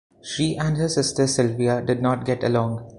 She and her sister Sylvia did not get along.